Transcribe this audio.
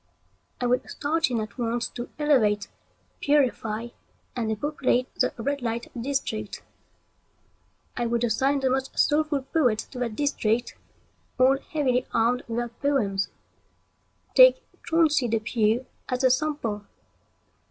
I would start in at once to elevate, purify, and depopulate the red light district. I would assign the most soulful poets to that district, all heavily armed with their poems. Take Chauncey Depew as a sample.